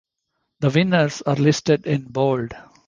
The winners are listed in bold.